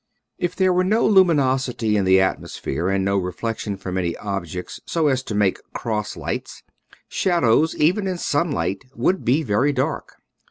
If there were no luminosity in the atmos phere and no reflection from any objects so as to make cross lights, shadows even in sun light would be very dark.